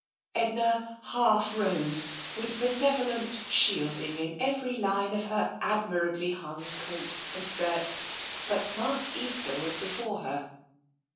Edna half rose, with benevolent shielding in every line of her admirably hung coat and skirt, but Mark Easter was before her.